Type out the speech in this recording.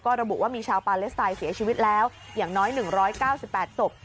ระบุว่ามีชาวปาเลสไตน์เสียชีวิตแล้วอย่างน้อย๑๙๘ศพ